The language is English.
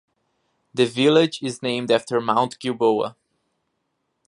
The village is named after Mount Gilboa.